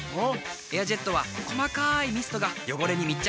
「エアジェット」は細かいミストが汚れに密着。